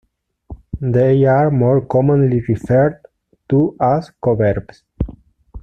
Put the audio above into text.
They are more commonly referred to as coverbs.